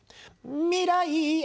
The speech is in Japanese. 未来へ！